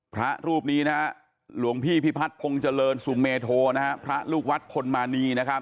พระรูปนี้นะฮะหลวงพี่พิพัฒน์พงษ์เจริญสุเมโทนะฮะพระลูกวัดพลมานีนะครับ